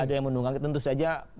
ada yang menunggangi tentu saja